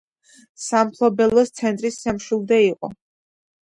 სამფლობელოს ცენტრი სამშვილდე იყო.